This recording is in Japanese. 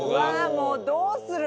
もうどうする。